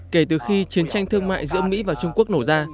kể từ khi chiến tranh thương mại giữa mỹ và trung quốc nổ ra